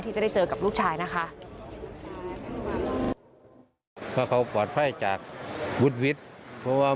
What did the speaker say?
จะได้เจอกับลูกชายนะคะ